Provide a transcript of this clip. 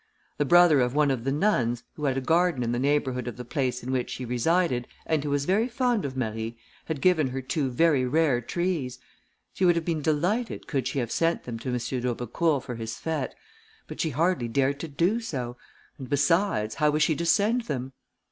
The brother of one of the nuns, who had a garden in the neighbourhood of the place in which she resided, and who was very fond of Marie, had given her two very rare trees; she would have been delighted could she have sent them to M. d'Aubecourt for his fête, but she hardly dared to do so, and besides, how was she to send them?